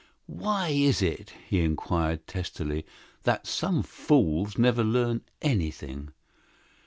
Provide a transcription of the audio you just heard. "Why is it," he inquired, testily, "that some fools never learn anything?"